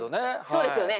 そうですよね。